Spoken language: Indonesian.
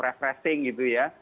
refreshing gitu ya